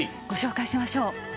ご紹介しましょう。